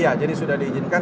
iya jadi sudah diizinkan